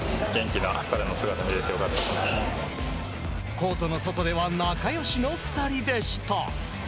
コートの外では仲よしの２人でした。